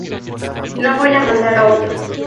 No voy a mandar a otro.